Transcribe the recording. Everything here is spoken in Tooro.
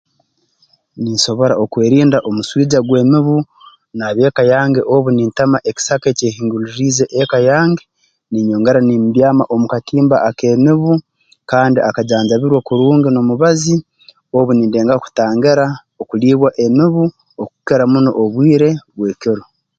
Ninsobora okwerinda omuswija gw'emibu n'abeeka yange obu nintema ekisaka ekyehingulirriize eka yange niinyongera nimbyaama omu katimba ak'emibu kandi akajanjabirwe kurungi n'omubazi obu nindengaho kutangira okulibwa emibu okukira muno obwire bw'ekiro